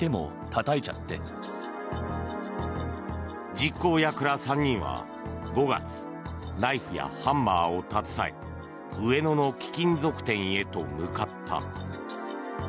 実行役ら３人は５月、ナイフやハンマーを携え上野の貴金属店へと向かった。